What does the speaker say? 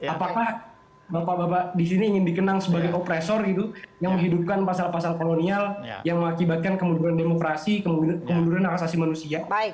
apakah bapak bapak di sini ingin dikenang sebagai operator gitu yang menghidupkan pasal pasal kolonial yang mengakibatkan kemuduran demokrasi kemunduran hak asasi manusia